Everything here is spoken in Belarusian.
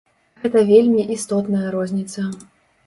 Гэта вельмі істотная розніца.